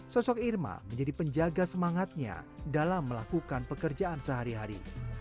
sosok irma menjadi penjaga semangatnya dalam melakukan pekerjaan sehari hari